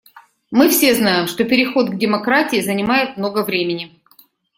Мы все знаем, что переход к демократии занимает много времени.